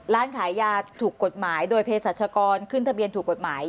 ร้านขายยาถูกกฎหมายโดยเพศรัชกรขึ้นทะเบียนถูกกฎหมาย